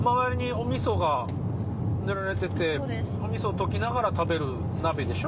おみそを溶きながら食べる鍋でしょ？